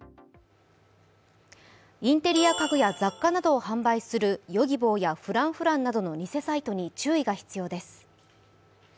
インテリア家具や雑貨などを販売するＹｏｇｉｂｏやＦｒａｎｃｆｒａｎｃなどの偽サイトに注意が必要です。